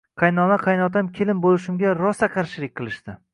Qaynona-qaynotam kelin bo‘lishimga rosa qarshilik qilishdi